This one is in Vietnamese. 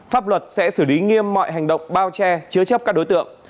pháp luật sẽ xử lý nghiêm mọi hành động bao che chứa chấp các đối tượng